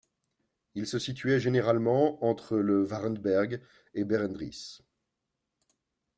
Il se situait généralement entre le Varentberg et Berendries.